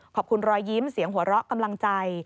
ขอบคุณรอยยิ้มเสียงหัวเราะกำลังใจ